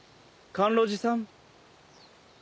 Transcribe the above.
甘露寺さん。